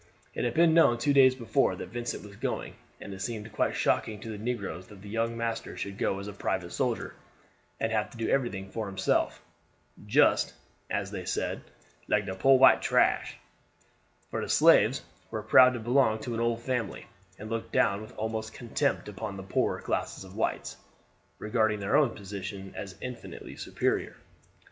It had been known two days before that Vincent was going, and it seemed quite shocking to the negroes that the young master should go as a private soldier, and have to do everything for himself "just," as they said, "like de poor white trash;" for the slaves were proud to belong to an old family, and looked down with almost contempt upon the poorer class of whites, regarding their own position as infinitely superior.